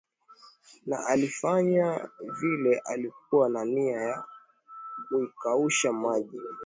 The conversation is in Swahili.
Na aliefanya vile alikuwa na nia ya kuikausha maji